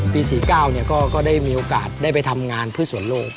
๔๙ก็ได้มีโอกาสได้ไปทำงานเพื่อส่วนโลก